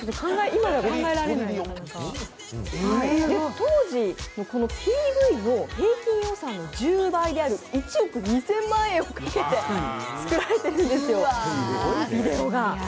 当時ＰＶの平均予算の１０倍である１億２０００万円をかけて作られているんですよ、ビデオが。